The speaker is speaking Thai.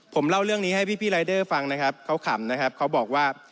ผมเล่าเรื่องนี้ให้พี่รายเดอร์ฟังนะครับเขาขำนะครับเขาบอกว่า